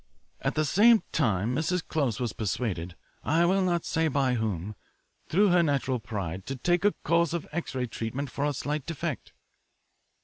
At the same time Mrs. Close was persuaded I will not say by whom through her natural pride, to take a course of X ray treatment for a slight defect.